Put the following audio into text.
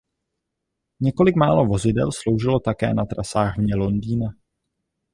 Několik málo vozidel sloužilo také na trasách vně Londýna.